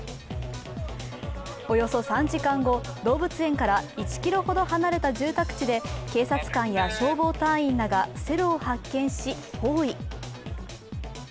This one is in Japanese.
およそ３時間後動物園から１ｋｍほど離れた住宅地で警察官や消防隊員らがセロを発見し、包囲。